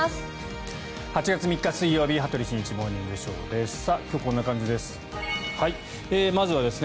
８月３日、水曜日「羽鳥慎一モーニングショー」。今日、こんな感じです。